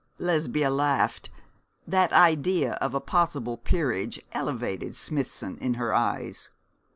Lesbia laughed. That idea of a possible peerage elevated Smithson in her eyes.